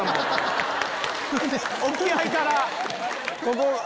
沖合から。